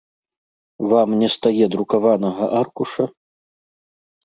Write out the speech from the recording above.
Вам не стае друкаванага аркуша?